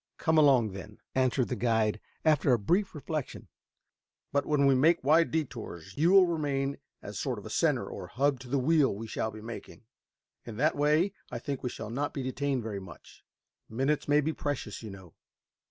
"Come along then," answered the guide, after a brief reflection. "But when we make wide detours, you will remain as a sort of center or hub to the wheel we shall be making. In that way I think we shall not be detained very much. Minutes may be precious, you know."